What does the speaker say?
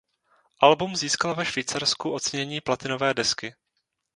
Album získalo ve Švýcarsku ocenění platinové desky.